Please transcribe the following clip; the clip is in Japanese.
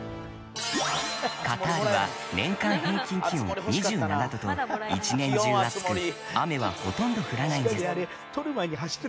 カタールは年間平均気温２７度と１年中暑く雨はほとんど降らないんです。